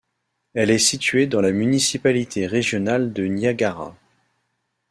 Elle est située dans la municipalité régionale de Niagara.